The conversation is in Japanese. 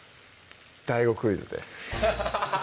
ＤＡＩＧＯクイズです